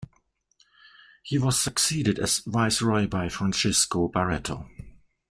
He was succeeded as viceroy by Francisco Barreto.